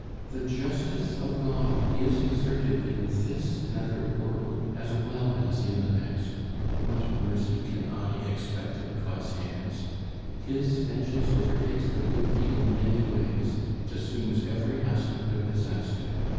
The justice of God is exerted in this nether world as well as in the next. What mercy can I expect at God's hands? His vengeance overtakes the guilty in many ways; it assumes every aspect of disaster.